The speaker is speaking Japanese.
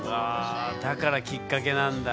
だからきっかけなんだ。